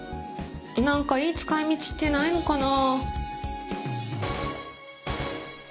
何かいい使い道ってないのかな？